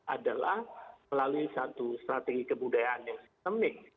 adalah melalui satu strategi kebudayaan yang sistemik